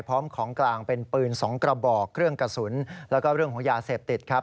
พร้อมของกลางเป็นปืน๒กระบอกเครื่องกระสุนแล้วก็เรื่องของยาเสพติดครับ